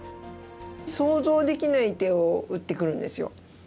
想像できない手を打ってくるんですよ。